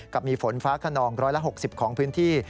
มีฝนฟ้าขนอง๑๖๐ของพื้นที่